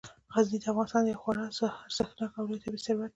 غزني د افغانستان یو خورا ارزښتناک او لوی طبعي ثروت دی.